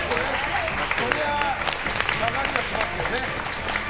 そりゃ下がりはしますよね。